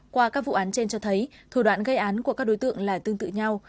qua các vụ án trên cho thấy thủ đoạn gây án của các đối tượng là tương tự nhau